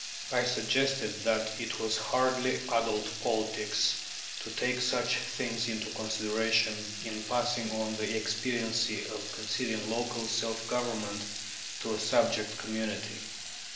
I suggested that it was hardly adult politics to take such things into consideration in passing on the expediency of conceding local self government to a subject community.